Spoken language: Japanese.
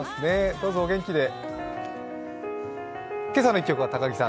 どうぞお元気で。